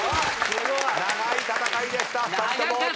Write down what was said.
長い戦いでした２人とも。